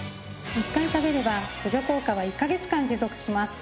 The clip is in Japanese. １回食べれば駆除効果は１カ月間持続します。